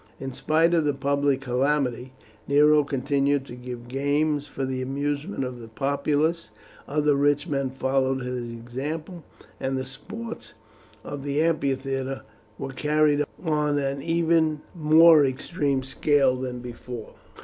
In spite of the public calamity Nero continued to give games for the amusement of the populace, other rich men followed his example, and the sports of the amphitheatre were carried on on an even more extensive scale than before.